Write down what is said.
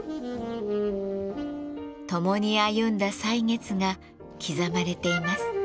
ともに歩んだ歳月が刻まれています。